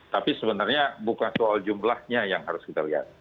tapi sebenarnya bukan soal jumlahnya yang harus kita lihat